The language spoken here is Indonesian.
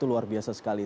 itu luar biasa sekali